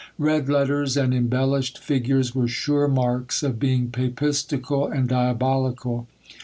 Red letters and embellished figures were sure marks of being papistical and diabolical.